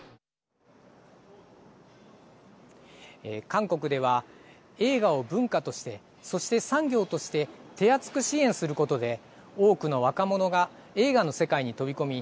韓国では映画を文化としてそして産業として手厚く支援することで多くの若者が映画の世界に飛び込み